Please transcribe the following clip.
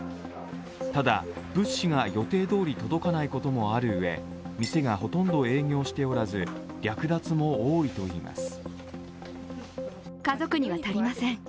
ただ、物資が予定どおり届かないこともあるうえ店がほとんど営業しておらず、略奪も多いといいます。